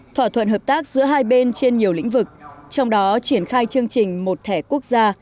thỏa thuận hợp tác giữa hai bên trên nhiều lĩnh vực trong đó triển khai chương trình một thẻ quốc gia